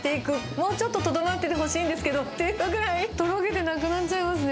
もうちょっととどまっててほしいんですけどっていうぐらい、とろけてなくなっちゃいますね。